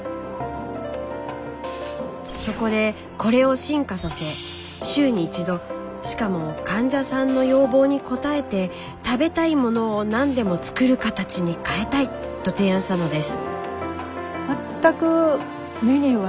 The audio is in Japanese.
そこでこれを進化させ週に１度しかも患者さんの要望に応えて食べたいものを何でも作る形に変えたい！と提案したのです。